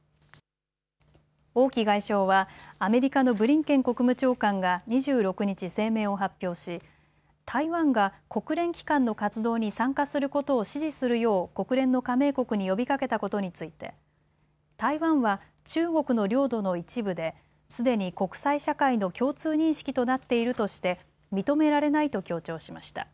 王毅外相はアメリカのブリンケン国務長官が２６日、声明を発表し台湾が国連機関の活動に参加することを支持するよう国連の加盟国に呼びかけたことについて台湾は中国の領土の一部ですでに国際社会の共通認識となっているとして認められないと強調しました。